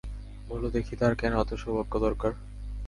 বলো দেখি, তার কেন এত সৌভাগ্য দরকার।